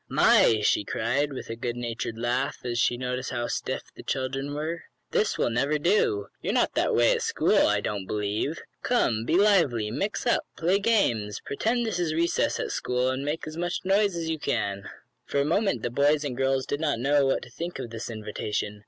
"My!" she cried, with a goodnatured laugh, as she noticed how "stiff" the children were. "This will never do. You're not that way at school, I don't believe. Come, be lively. Mix up play games. Pretend this is recess at school, and make as much noise as you like." For a moment the boys and girls did not know what to think of this invitation.